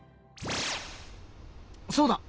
そうだ。